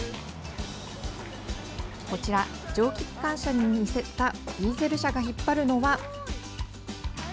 こちら、蒸気機関車に似せたディーゼル車が引っ張るのは。